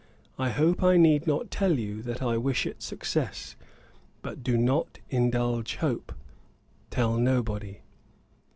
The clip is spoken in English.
I hope I need not tell you, that I wish it success. But do not indulge hope. Tell nobody.'